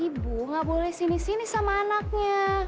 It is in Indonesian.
ibu gak boleh sinis sinis sama anaknya